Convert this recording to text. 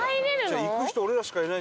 行く人俺らしかいない。